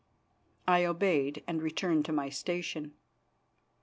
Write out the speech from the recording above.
I obeyed and returned to my station.